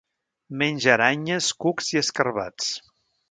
Menja aranyes, cucs i escarabats.